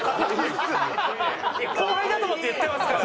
後輩だと思って言ってますから！